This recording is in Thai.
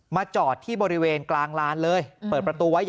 จอดที่บริเวณกลางลานเลยเปิดประตูไว้